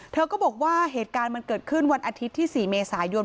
เธอก็บอกว่าเหตุการณ์มันเกิดขึ้นวันอาทิตย์ที่๔เมษายน